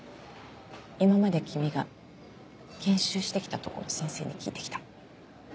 今まで君が研修して来たとこの先生に聞いて来た。